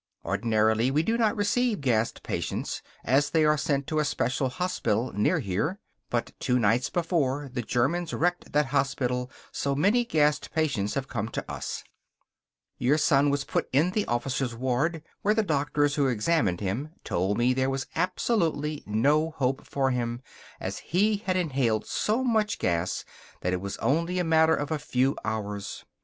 Ordinarily we do not receive gassed patients, as they are sent to a special hospital near here. But two nights before, the Germans wrecked that hospital, so many gassed patients have come to us. Your son was put in the officers' ward, where the doctors who examined him told me there was absolutely no hope for him, as he had inhaled so much gas that it was only a matter of a few hours.